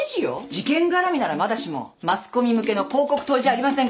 事件絡みならまだしもマスコミ向けの広告塔じゃありませんから。